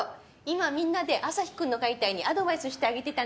今みんなでアサヒくんの描いた絵にアドバイスしてあげてたんです。